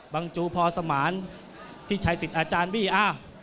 จูพอสมานพี่ชัยสิทธิ์อาจารย์บี้อ